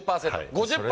５０％？